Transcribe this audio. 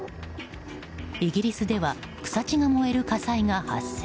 イギリスでは草地が燃える火災が発生。